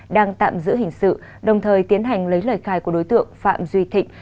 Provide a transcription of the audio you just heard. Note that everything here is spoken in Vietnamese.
đang tạm giữ hình sự đồng thời tiến hành lấy lời khai của đối tượng phạm duy thịnh